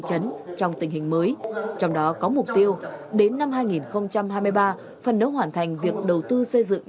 chấn trong tình hình mới trong đó có mục tiêu đến năm hai nghìn hai mươi ba phần đấu hoàn thành việc đầu tư xây dựng